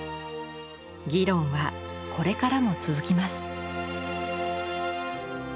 議論はこれからも続きます。